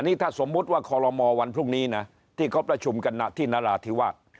นี่ถ้าสมมุติว่าคอลโลมอวันพรุ่งนี้นะที่เขาประชุมกันที่นราธิวาส